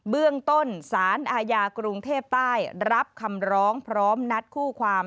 เบื้องต้นสารอาญากรุงเทพใต้รับคำร้องพร้อมนัดคู่ความ